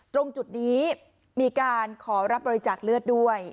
ตรงจุดนี้มีการขอรับบริจาคเลือดด้วย